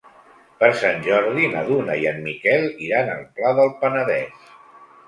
Per Sant Jordi na Duna i en Miquel iran al Pla del Penedès.